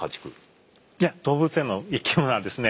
いや動物園の生き物はですね